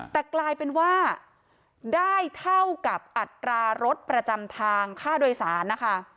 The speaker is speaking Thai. แต่กลายเป็นว่าได้เท่ากับอัตรารถประจำทางค่าโดยสารนะคะ